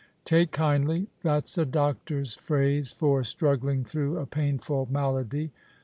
Take kindly ! That's a doctor's phrase for struggling through a painful malady.